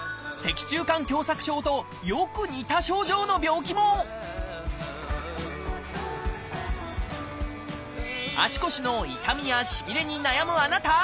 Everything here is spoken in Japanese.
脊柱管狭窄症とよく似た症状の病気も足腰の痛みやしびれに悩むあなた！